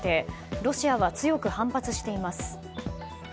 ロシアは強く反発しています。